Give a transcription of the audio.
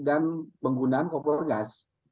dan penggunaan kompor gas